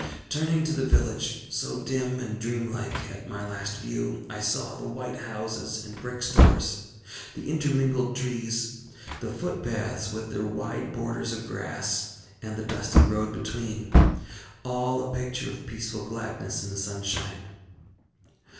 Turning to the village, so dim and dream like at my last view, I saw the white houses and brick stores, the intermingled trees, the footpaths with their wide borders of grass, and the dusty road between; all a picture of peaceful gladness in the sunshine.